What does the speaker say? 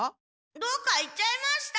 どっか行っちゃいました。